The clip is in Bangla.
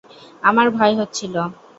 আমার ভয় হচ্ছিল।